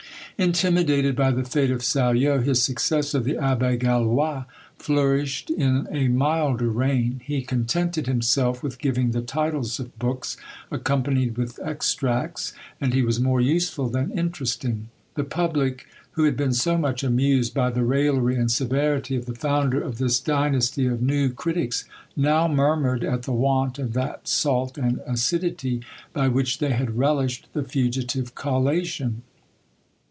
Intimidated by the fate of SALLO, his successor, the Abbé GALLOIS, flourished in a milder reign. He contented himself with giving the titles of books, accompanied with extracts; and he was more useful than interesting. The public, who had been so much amused by the raillery and severity of the founder of this dynasty of new critics, now murmured at the want of that salt and acidity by which they had relished the fugitive collation.